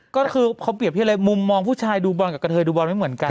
ก็คือเขาเปรียบเทียบเลยมุมมองผู้ชายดูบอลกับกระเทยดูบอลไม่เหมือนกัน